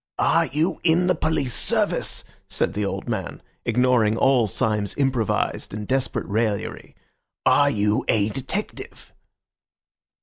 "Are you in the police service?" said the old man, ignoring all Syme's improvised and desperate raillery. "Are you a detective?"